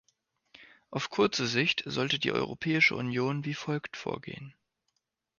Auf kurze Sicht sollte die Europäische Union wie folgt vorgehen.